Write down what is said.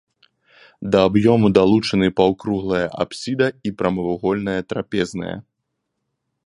Да аб'ёму далучаны паўкруглая апсіда і прамавугольная трапезная.